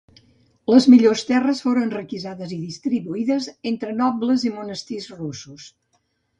Les millors terres foren requisades i distribuïdes entre nobles i monestirs russos.